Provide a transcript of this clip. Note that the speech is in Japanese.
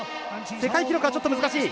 世界記録はちょっと難しい。